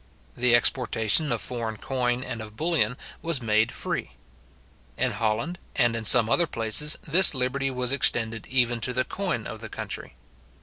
The exportation of foreign coin and of bullion was made free. In Holland, and in some other places, this liberty was extended even to the coin of the country.